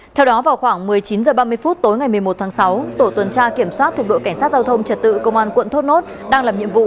theo đó vào khoảng một mươi chín h ba mươi phút tối ngày một mươi một tháng sáu tổ tuần tra kiểm soát thuộc đội cảnh sát giao thông trật tự công an quận thốt nốt đang làm nhiệm vụ